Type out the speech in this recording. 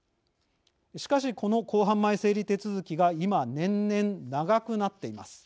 しかし、この公判前整理手続きが今、年々長くなっています。